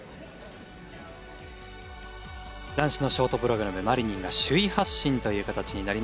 男子のショートプログラムマリニンが首位発進という形になりました。